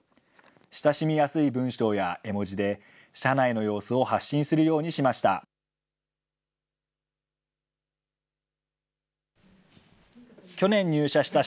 親しみやすい文章や絵文字で、社内の様子を発信することにしました。